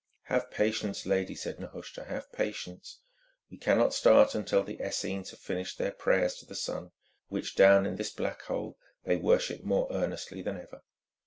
"Have patience, lady," said Nehushta, "have patience. We cannot start until the Essenes have finished their prayers to the sun, which, down in this black hole, they worship more earnestly than ever."